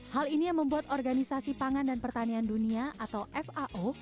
hal ini yang membuat organisasi pangan dan pertanian dunia atau fao